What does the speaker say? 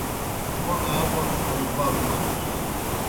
موْ آ موْݜ کھوجبام نانُس۔